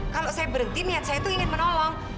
kalau saya berhenti niat saya itu ingin menolong